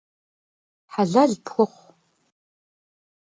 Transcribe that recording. Helel pxuxhu!